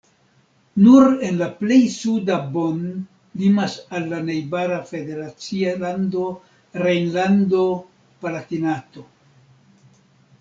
Nur en la pleja sudo Bonn limas al la najbara federacia lando Rejnlando-Palatinato.